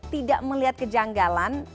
tidak melihat kejanggalan